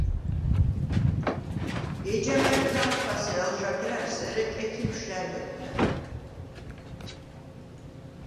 ეჯამა̈გ ქა̄თფასე ალ ჟაგრა̈რს, ერე კეთილშვ ჟ’ა̈ნტჷტნა̈ნ.